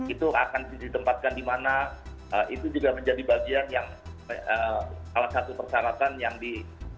itu akan ditempatkan di mana itu juga menjadi bagian yang salah satu persyaratan yang di